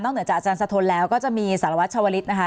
เหนือจากอาจารย์สะทนแล้วก็จะมีสารวัตรชาวลิศนะคะ